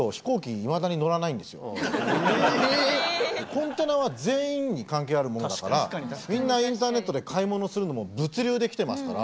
コンテナは全員に関係あるものだからみんなインターネットで買い物するのも物流で来てますから。